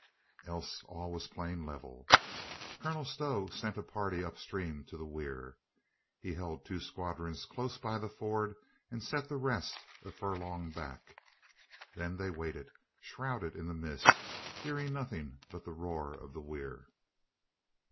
Else all was plain level. Colonel Stow sent a party upstream to the weir. He held two squadrons close by the ford and set the rest a furlong back. Then they waited, shrouded in the mist, hearing nothing but the roar of the weir.